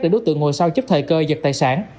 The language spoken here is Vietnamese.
để đối tượng ngồi sau trước thời cơ giật tài sản